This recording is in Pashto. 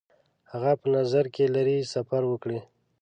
هغه په نظر کې لري سفر وکړي.